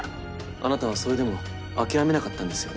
あなたはそれでも諦めなかったんですよね？